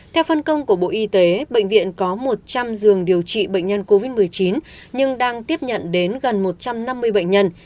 theo phân công của bộ y tế bệnh viện có một trăm linh giường điều trị bệnh nhân covid một mươi chín nhưng đang tiếp nhận đến gần một trăm năm mươi bệnh nhân